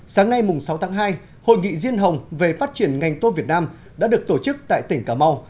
sáng nay sáu tháng hai hội nghị riêng hồng về phát triển ngành tôm việt nam đã được tổ chức tại tỉnh cà mau